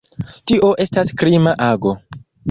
Tio estas krima ago.